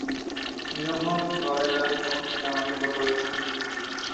আমি যখন ঘরে এলাম তখন তিনি আমাকে কোথাও যেতে নিষেধ করলেন।